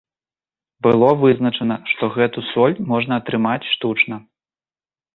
Было вызначана, што гэту соль можна атрымаць штучна.